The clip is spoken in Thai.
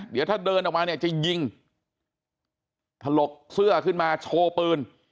เดี๋ยวถ้าเดินออกมาเนี่ยจะยิงถลกเสื้อขึ้นมาโชว์ปืน